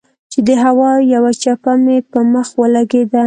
چې د هوا يوه چپه مې پۀ مخ ولګېده